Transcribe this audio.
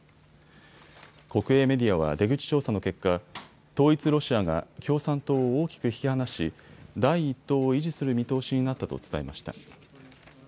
国営メディアは出口調査の結果、統一ロシアが共産党を大きく引き離し、第１党を維持する見通しになったと伝えました。